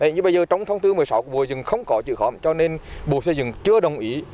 như bây giờ trong thông tư một mươi sáu của bộ rừng không có chữ khóm cho nên bộ xây dựng chưa đồng ý